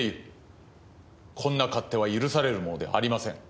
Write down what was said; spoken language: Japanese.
こんな勝手は許されるものではありません。